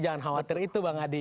jangan khawatir itu bang adi